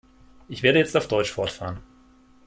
Ich werde jetzt auf Deutsch fortfahren.